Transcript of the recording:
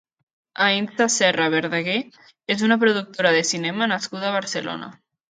Aintza Serra Verdaguer és una productora de cinema nascuda a Barcelona.